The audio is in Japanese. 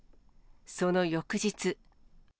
その翌日。